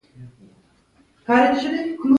ډاکټران ډېر خوش اخلاقه او قابل ښکارېدل، ښه خلک و.